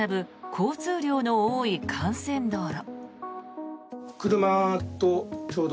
交通量が多い幹線道路。